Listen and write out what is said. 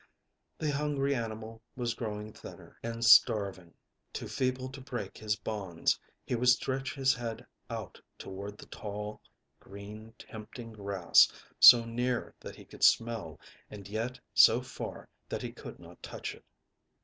The hungry animal was growing thinner, and starving. Too feeble to break his bonds, he would stretch his head out toward the tall, green, tempting grass, so near that he could smell, and yet so far that he could not touch it.